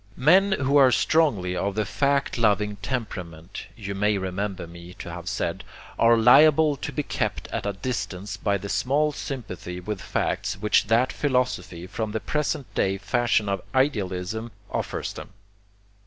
Men who are strongly of the fact loving temperament, you may remember me to have said, are liable to be kept at a distance by the small sympathy with facts which that philosophy from the present day fashion of idealism offers them.